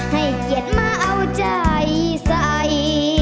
ให้เย็นมาเอาใจใส